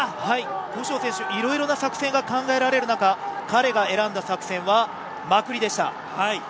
古性選手、いろいろな作戦が考えられる中、彼が選んだ作戦はまくりでした。